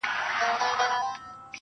درته گران نه يمه زه_